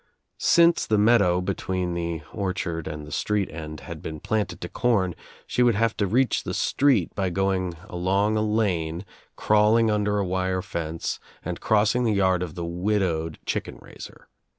Since the meadow between the orchard and the street end had been planted to corn she would have to reach the street by going along a lane, crawling under a wire fence and crossing the yard of the widowed chicken raiser.